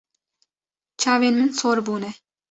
Çavên min sor bûne.